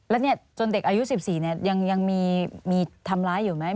แล้วเนี่ยจนเด็กอายุ๑๔เนี่ยยังมีทำร้ายอยู่ไหม